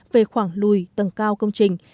về khoảng lùi tầng cao công trình